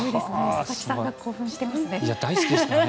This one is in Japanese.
佐々木さんが興奮してますね。